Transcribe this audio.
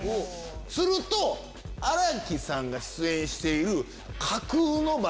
すると新木さんが出演している。